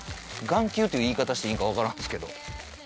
眼球という言い方していいんか分からんっすけど。